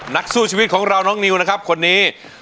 นักสู้ชีวิตของเราน้องนิวนะครับคนนี้